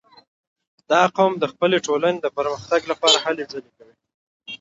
• دا قوم د خپلې ټولنې د پرمختګ لپاره هلې ځلې کوي.